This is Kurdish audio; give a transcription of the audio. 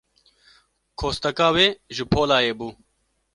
Kosteka wê, ji polayê bû.